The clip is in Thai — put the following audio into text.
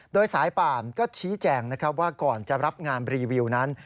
โดยสายป่านก็ชี้แจงนะครับว่าก่อนจะรับงานรีวิวนั้น